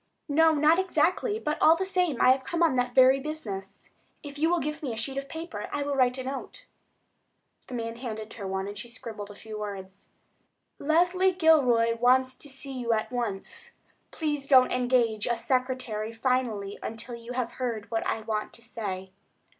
"No, not exactly; but, all the same, I have come on that very business. If you will give me a sheet of paper I will write a note." The man handed her one, and she scribbled a few words: "Leslie Gilroy wants to see you at once. Please don't engage a secretary finally until you have heard what I want to say."